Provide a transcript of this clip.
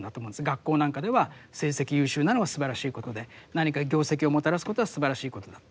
学校なんかでは成績優秀なのがすばらしいことで何か業績をもたらすことはすばらしいことだ。